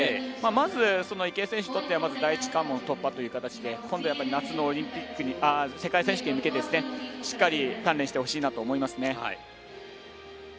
まず池江選手にとっては第一関門突破ということで今度、夏の世界選手権に向けてしっかり鍛錬してほしいですね。